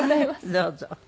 どうぞ。